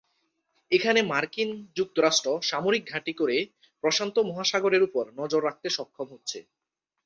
এখানে মার্কিন যুক্তরাষ্ট্র সামরিক ঘাঁটি করে প্রশান্ত মহাসাগরের ওপর নজর রাখতে সক্ষম হচ্ছে।